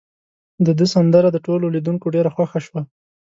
د ده سندره د ټولو لیدونکو ډیره خوښه شوه.